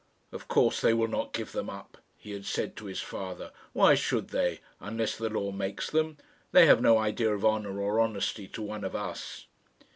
"Of course, they will not give them up," he had said to his father. "Why should they, unless the law makes them? They have no idea of honour or honesty to one of us."